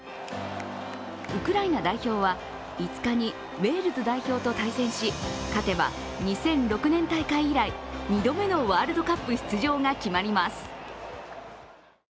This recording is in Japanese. ウクライナ代表は、５日にウェールズ代表と対戦し勝てば２００６年大会以来２度目のワールドカップ出場が決まります。